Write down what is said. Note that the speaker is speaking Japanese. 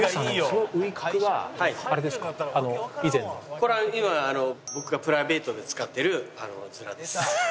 これは今僕がプライベートで使ってるヅラです。